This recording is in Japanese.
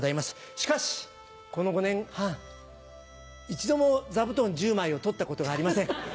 しかし、この５年半、一度も座布団１０枚をとったことありません。